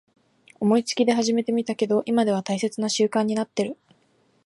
思いつきで始めてみたけど今では大切な習慣になってる